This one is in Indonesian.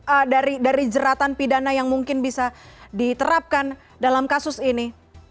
apa dari jeratan pidana yang mungkin bisa diterapkan dalam kasus ini